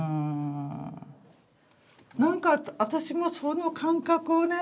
何か私もその感覚をね